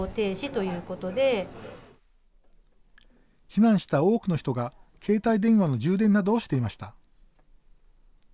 避難した多くの人が携帯電話の充電などをしていました。